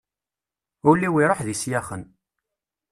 Ul-iw iruḥ d isyaxen.